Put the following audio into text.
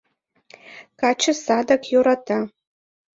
Каче садак йӧрата.